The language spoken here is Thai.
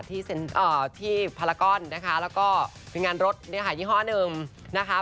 ที่พารากอนนะคะแล้วก็ในงานรถยี่ห้อหนึ่งนะคะ